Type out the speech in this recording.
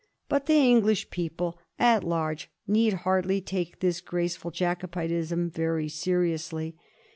But the English people at large need hardly take this graceful Jacobitism very seriously.